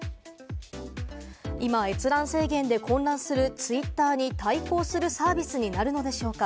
今、閲覧制限で混乱するツイッターに対抗するサービスになるのでしょうか？